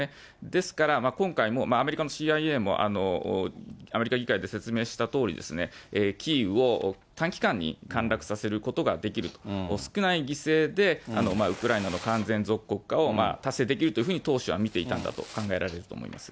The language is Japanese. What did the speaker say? ですから今回も、アメリカのＣＩＡもアメリカ議会で説明したとおり、キーウを短期間に陥落させることができる、少ない犠牲でウクライナの完全属国化を達成できるというふうに当初は見ていたんだと考えられると思います。